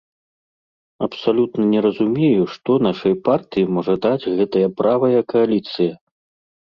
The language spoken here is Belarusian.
Абсалютна не разумею, што нашай партыі можа даць гэтая правая кааліцыя.